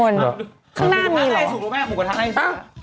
ดูข้างหน้าดูหรอ